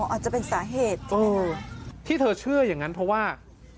อาจจะเป็นสาเหตุที่เธอเชื่ออย่างนั้นเพราะว่า